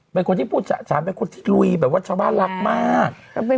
เป็นคนที่พูดฉะฉันเป็นคนที่ลุยแบบว่าชาวบ้านรักมาก